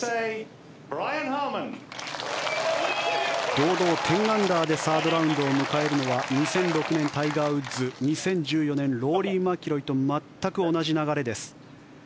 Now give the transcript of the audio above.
堂々、１０アンダーでサードラウンドを迎えるのは２００６年タイガー・ウッズ２０１４年ローリー・マキロイと全く同じ流れです。